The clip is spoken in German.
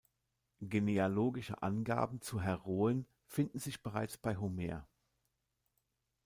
Genealogische Angaben zu Heroen finden sich bereits bei Homer.